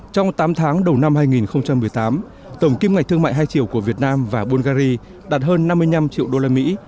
trong tám tháng đầu năm hai nghìn một mươi tám tổng kim ngạch thương mại hai triệu của việt nam và bungary đạt hơn năm mươi năm triệu đô la mỹ